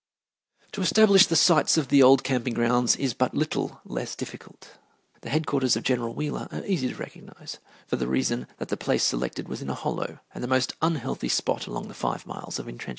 To establish the sites of the old camping grounds is but little less difficult. The head quarters of General Wheeler are easy to recognize, for the reason that the place selected was in a hollow, and the most unhealthy spot along the five miles of intrenchments.